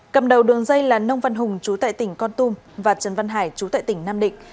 cầm đầu đường dây là nông văn hùng chú tại tỉnh con tum và trần văn hải chú tại tỉnh nam định